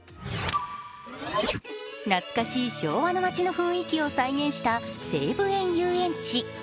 懐かしい昭和の街の雰囲気を再現した西武園ゆうえんち。